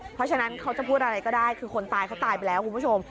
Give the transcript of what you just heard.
เพราะฉะนั้นเขาจะพูดอะไรก็ได้คือคนตายเขาตายไปแล้วคุณผู้ชม